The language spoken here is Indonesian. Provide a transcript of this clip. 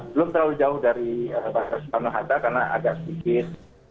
belum terlalu jauh dari bandara soekarno hatta karena agak sedikit